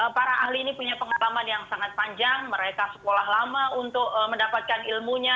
para ahli ini punya pengalaman yang sangat panjang mereka sekolah lama untuk mendapatkan ilmunya